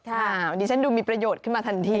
ดิฉันดูมีประโยชน์ขึ้นมาทันที